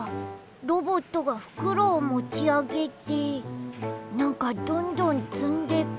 ロボットがふくろをもちあげてなんかどんどんつんでく。